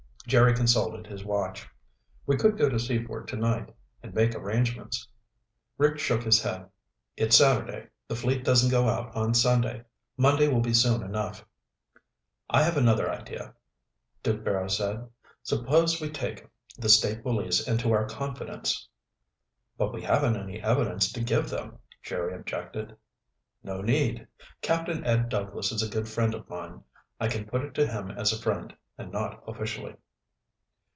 Jerry consulted his watch. "We could go to Seaford tonight and make arrangements." Rick shook his head. "It's Saturday. The fleet doesn't go out on Sunday. Monday will be soon enough." "I have another idea," Duke Barrows said. "Suppose we take the State Police into our confidence?" "But we haven't any evidence to give them," Jerry objected. "No need. Captain Ed Douglas is a good friend of mine. I can put it to him as a friend, and not officially."